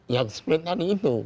yang split tadi itu